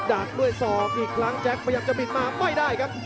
ดาดด้วยสองอีกครั้งแจ๊คแต่ยังจะปิดมาไม่ได้ครับ